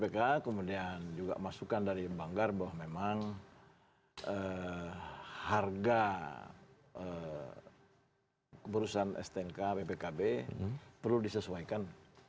kpk kemudian juga masukan dari banggar bahwa memang harga perusahaan stnk bpkb perlu disesuaikan